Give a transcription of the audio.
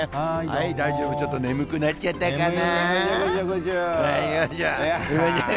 大丈夫、ちょっと眠くなっちゃったかな。